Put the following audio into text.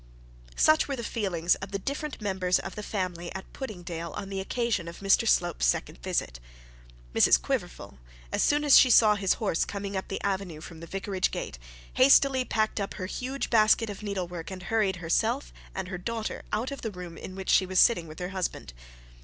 Such was the feelings of the different members of the family at Puddingdale on the occasion of Mr Slope's second visit. Mrs Quiverful, as soon as she saw his horse coming up the avenue from the vicarage gate, hastily packed up her huge basket of needlework, and hurried herself and her daughter out of the room in which she was sitting with her husband.